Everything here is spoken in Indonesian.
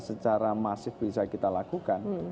secara masif bisa kita lakukan